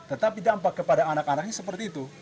tetapi dampak kepada anak anaknya seperti itu